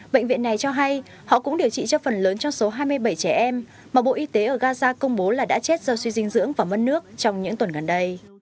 bệnh viện này cho hay họ cũng điều trị cho phần lớn trong số hai mươi bảy trẻ em mà bộ y tế ở gaza công bố là đã chết do suy dinh dưỡng và mất nước trong những tuần gần đây